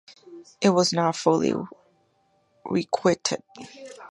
It was not fully requited.